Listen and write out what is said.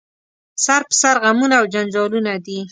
سر په سر غمونه او جنجالونه دي